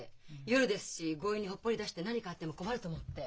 夜ですし強引にほっぽり出して何かあっても困ると思って。